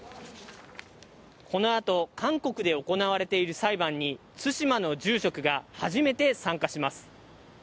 このあと、韓国で行われている裁判に、対馬の住職が初めて参加します。